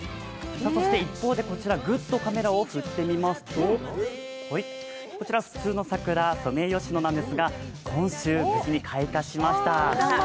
そして一方でこちら、グッとカメラを振ってみますとこちら普通の桜、ソメイヨシノなんですが今週、無事に開花しました。